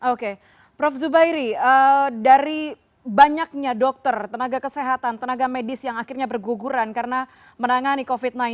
oke prof zubairi dari banyaknya dokter tenaga kesehatan tenaga medis yang akhirnya berguguran karena menangani covid sembilan belas